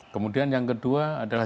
kemudian yang kedua adalah